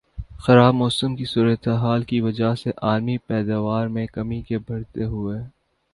خراب موسم کی صورتحال کی وجہ سے عالمی پیداوار میں کمی کے بڑھتے ہوئے